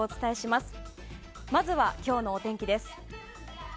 まずは今日のお天気です。